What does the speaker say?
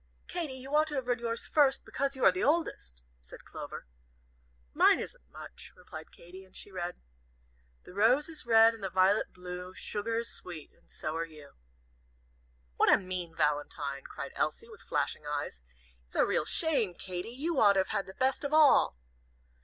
"Katy, you ought to have read yours first because you are the oldest," said Clover. "Mine isn't much," replied Katy, and she read: "The rose is red the violet blue, Sugar is sweet, and so are you." "What a mean valentine!" cried Elsie, with flashing eyes. "It's a real shame, Katy! You ought to have had the best of all."